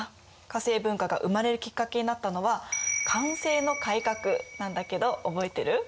化政文化が生まれるきっかけになったのは「寛政の改革」なんだけど覚えてる？